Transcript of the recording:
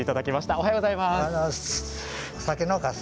おはようございます。